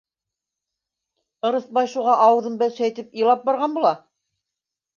Ырыҫбай шуға ауыҙын бәлшәйтеп илап барған була.